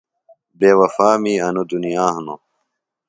بے وفاؤں می انوۡ دُنیا ہنوۡ۔